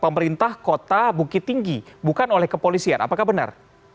pemerintah kota bukit tinggi bukan oleh kepolisian apakah benar